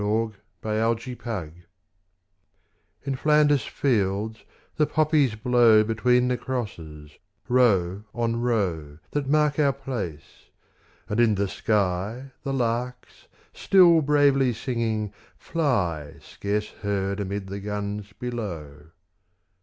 L.} IN FLANDERS FIELDS In Flanders fields the poppies grow Between the crosses, row on row That mark our place: and in the sky The larks still bravely singing, fly Scarce heard amid the guns below.